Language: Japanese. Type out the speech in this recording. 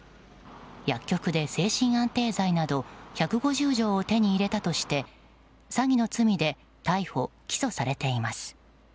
薬局で精神安定剤など１５０錠を手に入れたとして詐欺の罪で逮捕・起訴されています。